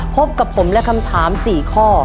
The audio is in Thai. พบกับผมและคำถาม๔ข้อ